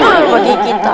alamak di kita